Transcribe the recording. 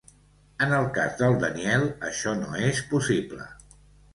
En el cas del Daniel això no és possible.